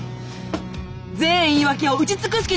全言い訳を打ち尽くす気で挑め！